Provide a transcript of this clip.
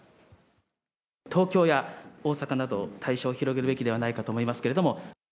東京や大阪など、対象を広げるべきではないかと思いますけれども。